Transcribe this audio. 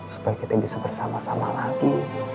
supaya kita bisa bersama sama lagi